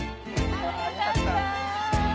あぁよかった。